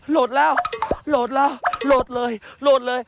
โหลดแล้วโหลดแล้วโหลดเลยโหลดเลย